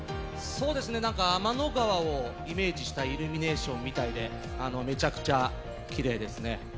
天の川をイメージしたイルミネーションみたいでめちゃくちゃきれいですね。